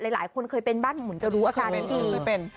หลายคนเคยเป็นบ้านหมุนจะรู้อาการนี้ดี